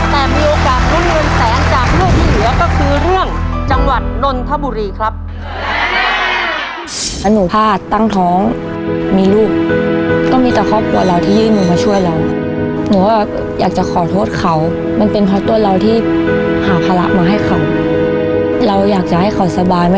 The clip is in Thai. แต่มีโอกาสลุ้นเงินแสนจากลูกที่เหลือก็คือเรื่องจังหวัดนนทบุรีครับ